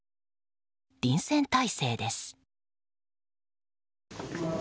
臨戦態勢です。